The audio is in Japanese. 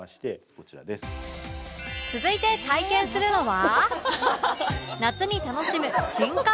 続いて体験するのは